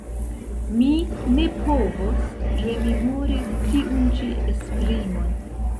Mi ne povos rememori tiun ĉi esprimon.